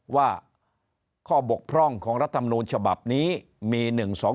ว่าข้อบกพร่องของรัฐมนูลฉบับนี้มี๑๒๒